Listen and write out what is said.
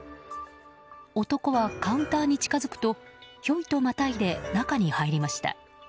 男はカウンターに近づくとひょいとまたいで中に入りました。